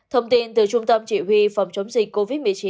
thông tin từ trung tâm chỉ huy phòng chống dịch covid một mươi chín